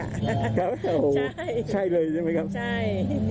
ครับโอ้โฮใช่เลยใช่ไหมครับใช่ใช่